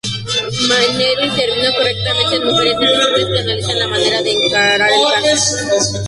Maneiro intervino concretamente en "Mujeres invisibles", que analiza la manera de encarar el cáncer.